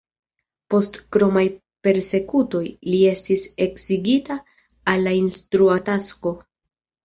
Post kromaj persekutoj, li estis eksigita el la instrua tasko.